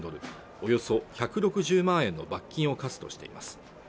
およそ１６０万円の罰金を科すとしています